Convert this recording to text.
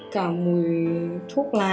cả mùi thuốc là